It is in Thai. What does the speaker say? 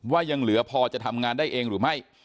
ยังเหลือพอจะทำงานได้เองหรือไม่